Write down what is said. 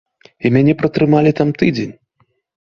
І мяне пратрымалі там тыдзень.